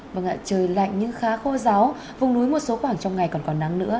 vâng ạ trời lạnh nhưng khá khô giáo vùng núi một số khoảng trong ngày còn nắng nữa